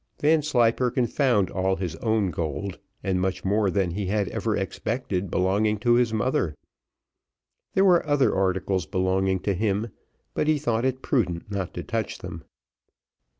Vanslyperken found all his own gold, and much more than he had ever expected belonging to his mother. There were other articles belonging to him, but he thought it prudent not to touch them.